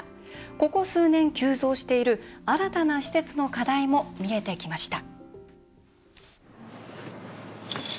ここ数年、急増している新たな施設の課題も見えてきました。